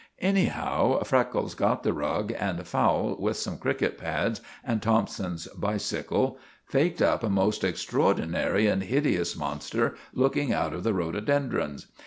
Anyhow, Freckles got the rug, and Fowle, with some cricket pads and Thompson's bicycle, faked up a most extraordinary and hideous monster looking out of the rhododendrons.